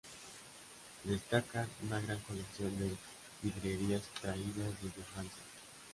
Destacan una gran colección de vidrieras traídas desde Francia.